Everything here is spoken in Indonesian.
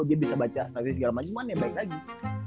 dia bisa baca statistik segala macem mana ya baik lagi